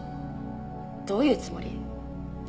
どういうつもり？